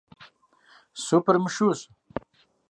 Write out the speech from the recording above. Супыр мышущ.